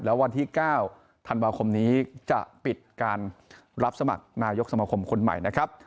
แล้ววันที่๙ธันวาคมนี้จะปิดการรับสมัครนายกสมคมคนใหม่นะครับ